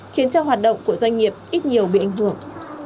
khiến cho hoạt động của doanh nghiệp ít nhiều bị ảnh hưởng